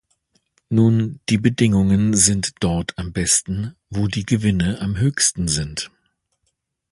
Nun, die Bedingungen sind dort am besten, wo die Gewinne am höchsten sind.